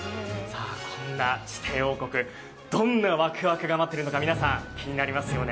こんな地底王国、どんなワクワクが待っているのか、皆さん気になりますよね。